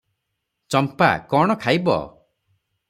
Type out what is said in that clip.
ଚମ୍ପା - କଣ ଖାଇବ?